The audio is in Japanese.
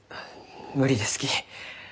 無理ですき。